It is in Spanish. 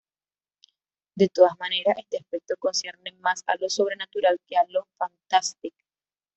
De todas maneras, este aspecto concierne más a lo sobrenatural que a lo "fantastique".